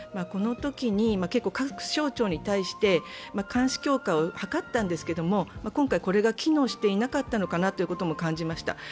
このときに結構各省庁に対して監視強化を図ったんですけど、今回、これが機能していなかったのかなとも感じました。